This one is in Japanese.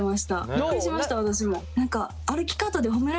びっくりしました私も。